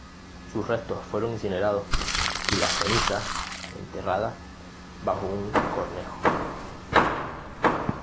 Sus restos fueron incinerados y las cenizas enterradas bajo un cornejo.